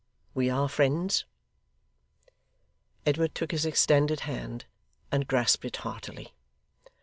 We are friends?' Edward took his extended hand, and grasped it heartily.